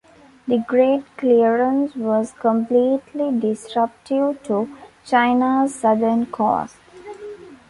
The Great Clearance was completely disruptive to China's southern coasts.